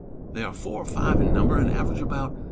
They are four or five in number, and average about